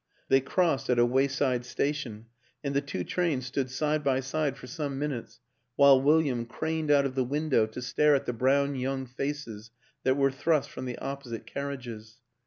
They crossed at a wayside station, and the two trains stood side by side for some minutes while William craned out of the window to stare at the brown young faces that were thrust from the opposite carriages.